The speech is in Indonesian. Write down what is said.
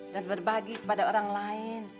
dan berbagi kepada orang lain